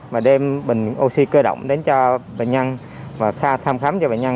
mà đem bình oxy cơ động đến cho bệnh nhân và thăm khám cho bệnh nhân